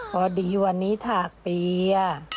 พอดีวันนี้ถากเปียะ